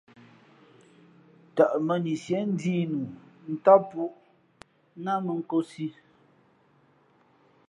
Tαʼ mᾱni síé njīī nǔ ntám pūʼ náh mᾱ nkōsī.